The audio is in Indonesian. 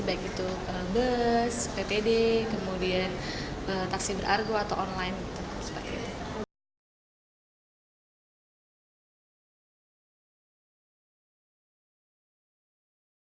baik itu bus ptd kemudian taksi berargo atau online seperti itu